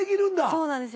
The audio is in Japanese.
そうなんですよ。